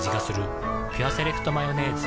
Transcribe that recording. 「ピュアセレクトマヨネーズ」